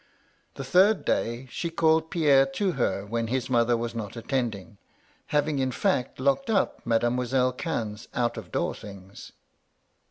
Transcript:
The third day, she called Pierre to her, when his mother was not attending (having, in fact, locked up Mademoiselle Cannes' out of door things).